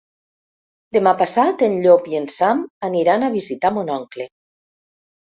Demà passat en Llop i en Sam aniran a visitar mon oncle.